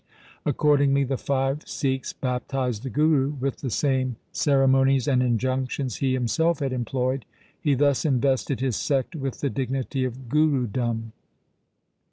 Accord ingly the five Sikhs baptized the Guru with the same ceremonies and injunctions he himself had employed. He thus invested his sect with the dignity of Gurudom.